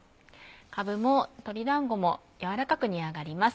かぶも鶏だんごも軟らかく煮上がります。